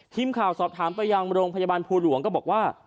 ทีมข่าวสอบถามไปยังโรงพยาบาลภูหลวงก็บอกว่า